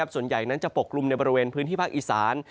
ส่วนใหญ่นั้นจะปกลุ่มในบริเวณพื้นที่ภาคอีสาน